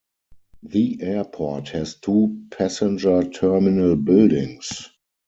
The airport has two passenger terminal buildings.